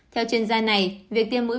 theo chuyên gia này việc tiêm mũi bốn